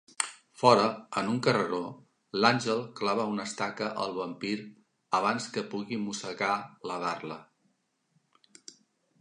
Fora, en un carreró, l'Àngel clava una estaca al vampir abans que pugui mossegar la Darla.